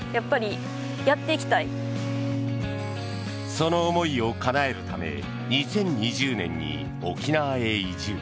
その思いをかなえるため２０２０年に沖縄へ移住。